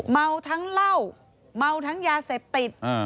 เมาทั้งเหล้าเมาทั้งยาเสพติด